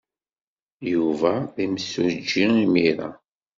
Yuba d imsujji imir-a.